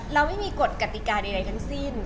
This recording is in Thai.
เราไม่มีกฎกติกาใดทั้งสิ้น